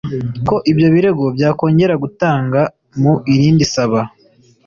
ko ibyo birego byakongera gutanga mu rindi saba